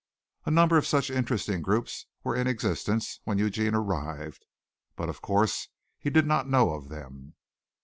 A number of such interesting groups were in existence when Eugene arrived, but of course he did not know of them.